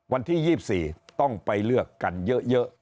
วันที่๒๔ต้องไปเลือกกันเยอะ